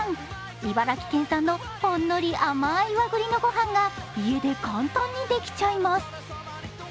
茨城県産のほんのり甘い和栗のご飯が家で簡単にできちゃいます。